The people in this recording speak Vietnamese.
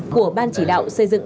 của ban chỉ đạo xây dựng